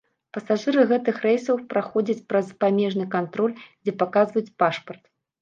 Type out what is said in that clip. Пасажыры гэтых рэйсаў праходзяць праз памежны кантроль, дзе паказваюць пашпарт.